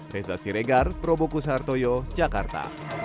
reza siregar probokus hartoyo jakarta